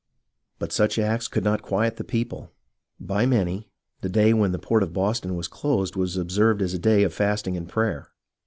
But such acts could not quiet the people. By many, the day when the port of Boston was closed was observed as a day of fasting and prayer.